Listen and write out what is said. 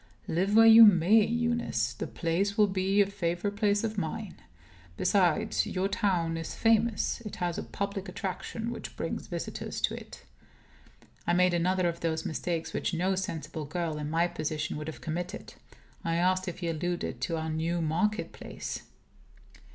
"Live where you may, Eunice, the place will be a favorite place of mine. Besides, your town is famous. It has a public attraction which brings visitors to it." I made another of those mistakes which no sensible girl, in my position, would have committed. I asked if he alluded to our new market place.